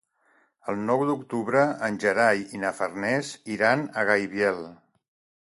El nou d'octubre en Gerai i na Farners iran a Gaibiel.